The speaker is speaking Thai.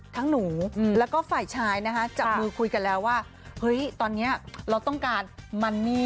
ทั้งหนูและไฟชายจับมือคุยกันแล้วว่าเฮ้ยตอนนี้เราต้องการมันนี่